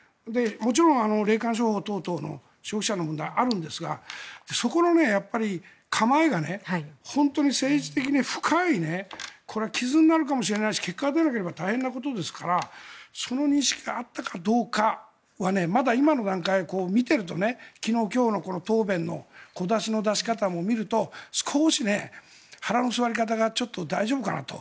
もちろん、霊感商法等々の消費者の問題、あるんですがそこの構えが、本当に政治的に深い傷になるかもしれないし結果が出なければ大変なことですからその認識があったかどうかはまだ今の段階を見ていると昨日今日のこの答弁の小出しの出し方も見ると少し腹の座り方が大丈夫かなと。